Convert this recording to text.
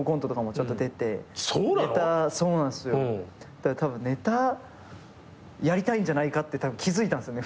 だからたぶんネタやりたいんじゃないかって気付いたんですよね